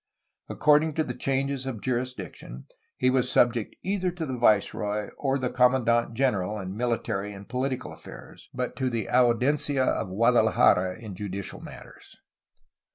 According to the changes of jurisdiction he was subject either to the vice roy or the commandant general in mihtary and political affairs, but to the Audiencia of Guadalajara in judicial matters.